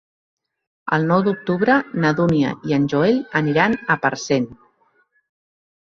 El nou d'octubre na Dúnia i en Joel aniran a Parcent.